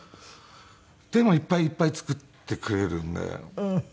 でもいっぱいいっぱい作ってくれるんで。